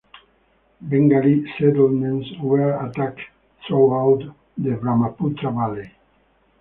Bengali settlements were attacked throughout the Brahmaputra Valley.